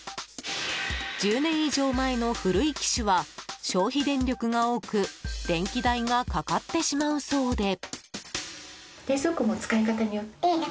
１０年以上前の古い機種は消費電力が多く電気代がかかってしまうそうで。